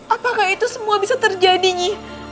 apakah itu semua bisa terjadi nih